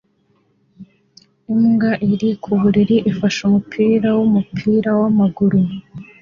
Imbwa iri ku buriri ifashe umupira wumupira wamaguru